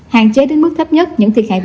hàng chế đến mức thấp nhất những thiệt hại